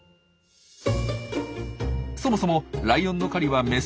そもそもライオンの狩りはメスの仕事。